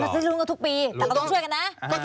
ซื้อลุ้นกันทุกปีแต่ก็ต้องช่วยกันนะ